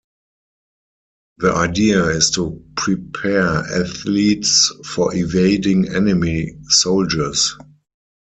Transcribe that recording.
The idea is to prepare athletes for evading enemy soldiers.